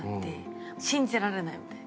「信じられない」みたいな。